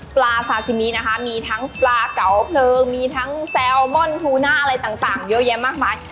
ปลาซาซิมินะคะมีทั้งปลาเก๋าเพลิงมีทั้งแซลมอนทูน่าอะไรต่างเยอะแยะมากมาย